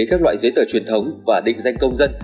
các loại giấy tờ truyền thống và định danh công dân